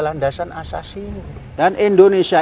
landasan asasi dan indonesia